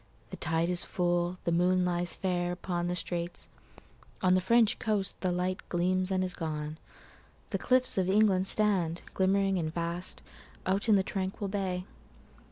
The tide is full, the moon lies fairUpon the straits;—on the French coast the lightGleams and is gone; the cliffs of England stand, Glimmering and vast, out in the tranquil bay.